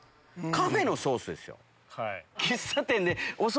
カフェのソースですよ。